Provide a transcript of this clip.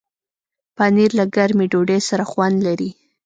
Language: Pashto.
پنېر له ګرمې ډوډۍ سره خوند لري.